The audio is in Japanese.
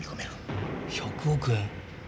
１００億円。